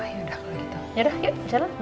yaudah yuk jalan bye papa